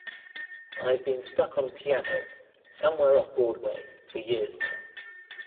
I've been stuck on piano, somewhere off Broadway, for years now.